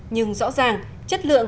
nhưng rõ ràng chất lượng